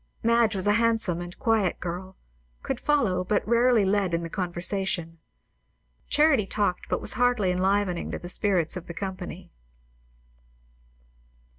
Madge was a handsome and quiet girl; could follow but rarely led in the conversation. Charity talked, but was hardly enlivening to the spirits of the company.